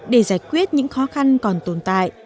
để giải quyết những khó khăn còn tồn tại